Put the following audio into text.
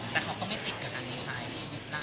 แต่เขาก็ไม่ติดกับการดีไซน์